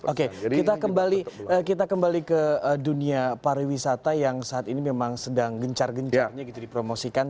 oke kita kembali ke dunia pariwisata yang saat ini memang sedang gencar gencarnya gitu dipromosikan